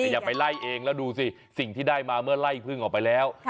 อย่าไปไล่เองแล้วดูสิสิ่งที่ได้มาเมื่อไล่พึ่งออกไปแล้ว